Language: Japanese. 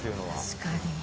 確かに。